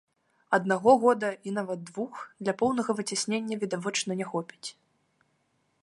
Аднаго года, і нават двух, для поўнага выцяснення, відавочна, не хопіць.